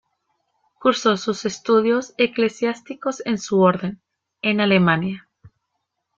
Cursó sus estudios eclesiásticos en su Orden, en Alemania.